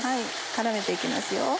絡めて行きますよ。